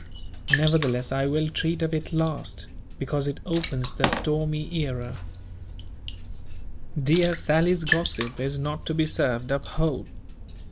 Nevertheless, I will treat of it last, because it opens the stormy era. Dear Sally's gossip is not to be served up whole.